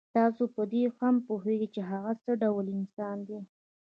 تاسو په دې هم پوهېږئ چې هغه څه ډول انسان دی.